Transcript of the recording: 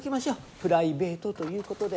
プライベートということで。